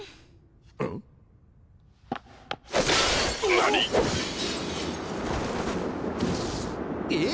何⁉え？